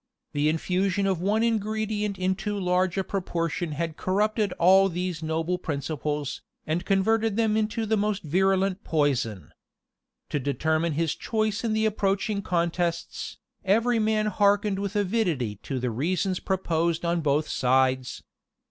The infusion of one ingredient in too large a proportion had corrupted all these noble principles, and converted them into the most virulent poison. To determine his choice in the approaching contests, every man hearkened with avidity to the reasons proposed on both sides.